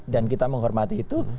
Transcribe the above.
dan kita menghormati itu